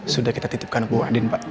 sudah kita titipkan ke buah din pak